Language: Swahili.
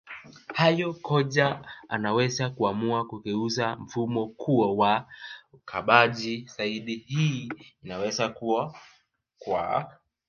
hayo kocha anaweza kuamua kugeuza mfumo kuwa wa ukabaji zaidi hii inaweza kua kwa